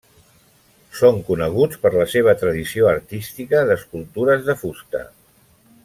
Són coneguts per la seva tradició artística d'escultures de fusta.